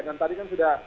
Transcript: dan tadi kan sudah